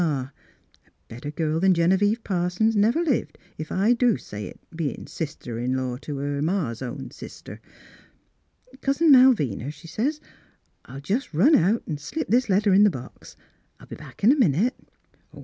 — A better girl than Genevieve Parsons never lived if I do say it, bein' sister in law to her ma's own sister. "' Cousin Malvina,' she says, ' I'll just run out an' slip this letter in the box. I'll be back in a minute.'